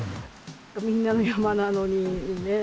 みんなの山なのにね。